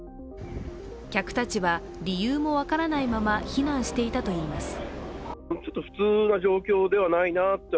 客たちは、理由も分からないまま避難していたといいます。